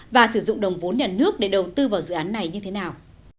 và sử dụng đồng vốn nhà nước để đầu tư vào dự án này như thế nào